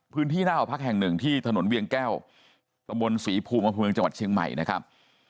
หน้าหอพักแห่งหนึ่งที่ถนนเวียงแก้วตะบนศรีภูมิอำเภอเมืองจังหวัดเชียงใหม่นะครับ